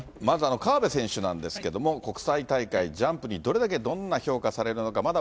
まず、河辺選手なんですけれども、国際大会、ジャンプにどれだけどんな評価されるのか。